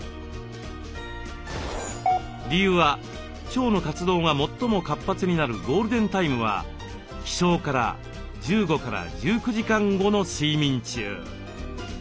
理由は腸の活動が最も活発になるゴールデンタイムは起床から１５１９時間後の睡眠中。